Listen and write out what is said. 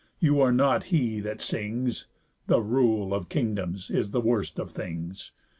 You are not he that sings: _The rule of kingdoms is the worst of things.